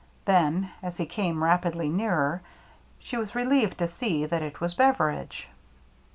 Then, as he came rapidly nearer, she was relieved to see that it was Beveridge.